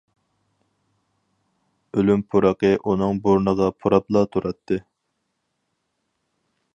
ئۆلۈم پۇرىقى ئۇنىڭ بۇرنىغا پۇراپلا تۇراتتى.